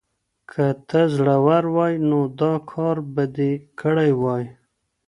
که ته زړور وای نو دا کار به دې کړی وای.